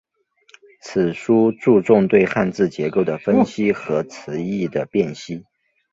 此书注重对汉字结构的分析和词义的辨析。